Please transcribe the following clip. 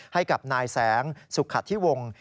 ให้กับนายแสงสุขธิวงศ์